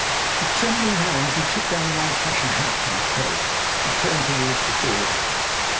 With trembling hands he took down an old fashioned hat from a peg and turned towards the door.